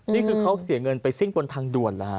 นี่คือเขาเสียเงินไปซิ่งบนทางด่วนเหรอฮะ